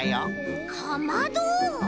かまど？